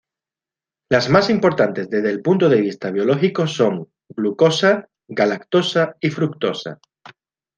Las más importantes desde el punto de vista biológico son: glucosa, galactosa y fructosa.